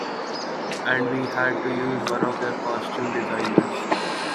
And we had to use one of the costume's designers...